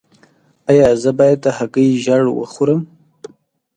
ایا زه باید د هګۍ ژیړ وخورم؟